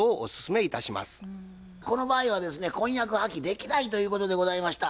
この場合はですね婚約破棄できないということでございました。